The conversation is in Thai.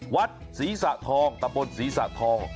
วัดศรีสะทองตะบนศรีสะทอง